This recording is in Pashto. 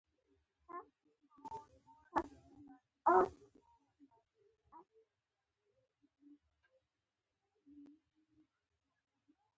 دلته د مالي الیګارشۍ په اړه بحث کوو